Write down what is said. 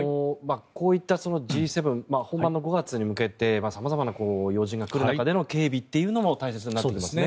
こういったＧ７本番の５月に向けて様々な要人が来る中での警備というのも大切になってきますね。